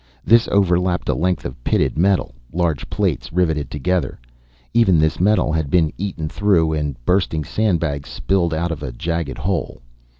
This overlapped a length of pitted metal, large plates riveted together. Even this metal had been eaten through and bursting sandbags spilled out of a jagged hole.